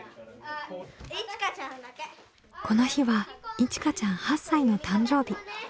この日はいちかちゃん８歳の誕生日。